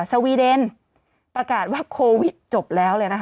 สวีเดนประกาศว่าโควิดจบแล้วเลยนะคะ